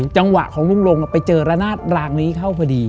จังหวะของลุงลงไปเจอระนาดรางนี้เข้าพอดี